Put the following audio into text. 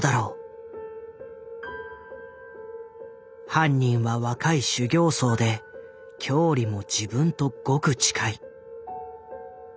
犯人は若い修行僧で郷里も自分とごく近い。